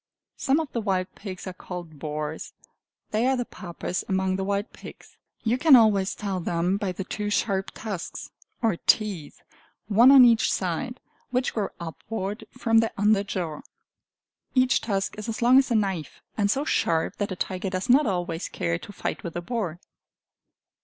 Some of the wild pigs are called boars; they are the Papas among the wild pigs. You can always tell them by the two sharp tusks, or teeth, one on each side, which grow upward from their under jaw. Each tusk is as long as a knife, and so sharp that a tiger does not always care to fight with a boar.